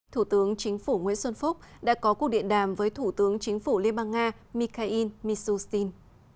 thủ tướng chính phủ nguyễn xuân phúc đã có cuộc điện đàm với thủ tướng chính phủ liên bang nga mikhail mishustin